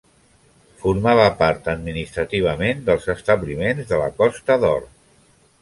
Formava part administrativament dels establiments de la Costa d'Or.